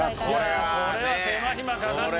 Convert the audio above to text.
これは手間暇かかってるよ。